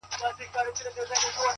پرمختګ د ثابت قدمۍ حاصل دی!